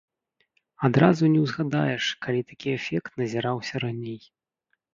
Адразу і не ўзгадаеш, калі такі эфект назіраўся раней.